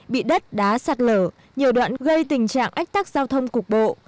bị đất đá sạt lở nhiều đoạn gây tình trạng ách tắc giao thông cục bộ